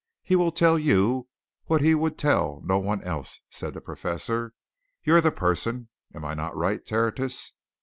He will tell you what he would tell no one else," said the Professor. "You're the person. Am I not right, Tertius?"